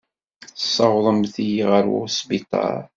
Tessawḍemt-iyi ɣer wesbiṭar.